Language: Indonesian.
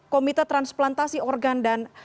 komite transplantasi organ dan